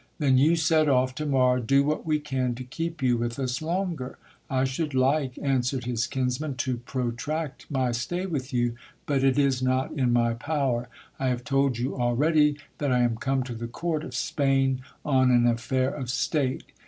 Then you set off to morrow, do what we can to keep you with us longer ? I should like, answered his kinsman, to protract my stay with you, but it is not in my power. I have told you already that I am come to the court of Spain on an affair of state.